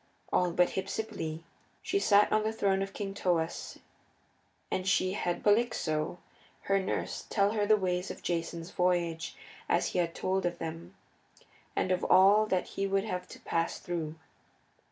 All but Hypsipyle. She sat on the throne of King Thoas and she had Polyxo, her nurse, tell her of the ways of Jason's voyage as he had told of them, and of all that he would have to pass through.